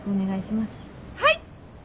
はい！